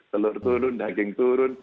telur turun daging turun